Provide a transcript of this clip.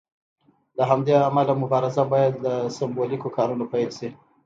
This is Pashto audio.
له همدې امله مبارزه باید له سمبولیکو کارونو پیل شي.